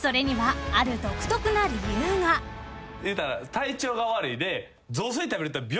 体調が悪いで。